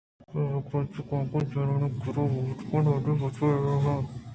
بلے یک روچے کانگی چرآہانی کِرّا بال کنت ءُ وتی پیشی ءُ بُنی ہنکین ءَ رَئوت